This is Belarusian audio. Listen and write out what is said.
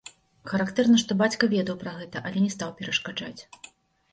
Характэрна, што бацька ведаў пра гэта, але не стаў перашкаджаць.